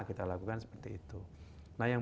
kita lakukan seperti itu nah yang